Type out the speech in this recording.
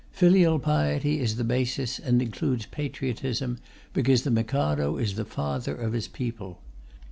Filial piety is the basis, and includes patriotism, because the Mikado is the father of his people.